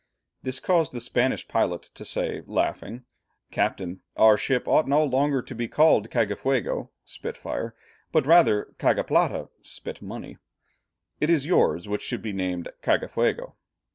This caused the Spanish pilot to say, laughing, "Captain, our ship ought no longer to be called Cagafuego (spit fire), but rather Caga Plata (spit money), it is yours which should be named Caga Fuego."